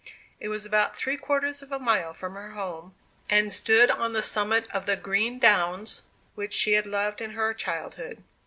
It was about three quarters of a mile from her home, and stood on the summit of the green downs which she had loved in her childhood.